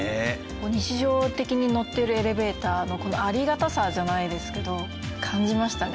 日常的に乗ってるエレベーターのありがたさじゃないですけど感じましたね。